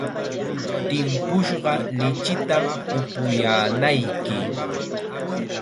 Timpushqa lichitam upuyaanayki.